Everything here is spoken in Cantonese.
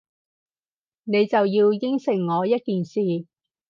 你就要應承我一件事